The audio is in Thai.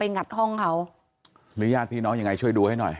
งัดห้องเขาหรือญาติพี่น้องยังไงช่วยดูให้หน่อย